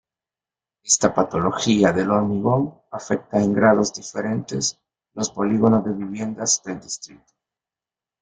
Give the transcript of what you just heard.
Esta patología del hormigón afecta en grados diferentes los polígonos de viviendas del distrito.